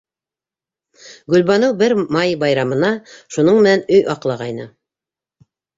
Гөлбаныу бер май байрамына шуның менән өй аҡлағайны.